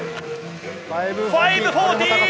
５４０。